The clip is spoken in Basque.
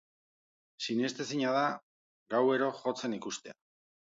Sinestezina da gauero jotzen ikustea.